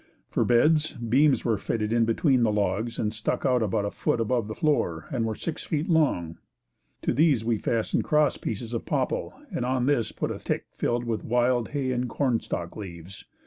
For beds, beams were fitted in between the logs and stuck out about a foot above the floor and were six feet long. To these we fastened cross pieces of "popple" and on this put a tick filled with wild hay and corn stalk leaves.